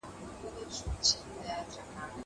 زه له سهاره د کتابتون د کار مرسته کوم.